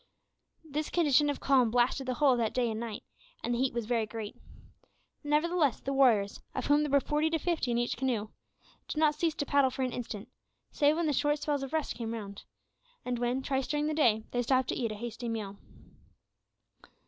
This condition of calm lasted the whole of that day and night, and the heat was very great; nevertheless the warriors of whom there were from forty to fifty in each canoe did not cease to paddle for an instant, save when the short spells of rest came round, and when, twice during the day, they stopped to eat a hasty meal.